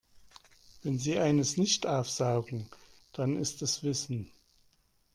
Wenn sie eines nicht aufsaugen, dann ist es Wissen.